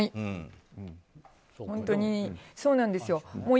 本当にそうなんですよ。